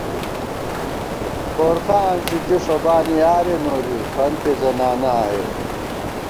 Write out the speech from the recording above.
بورقہ آنڅی کی ݭوبانیارےنوری ، فنتےزنانہ آئیت